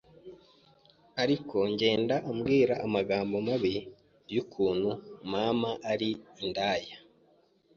ariko ngenda ambwira amagambo mabi y’ukuntu mama ari indaya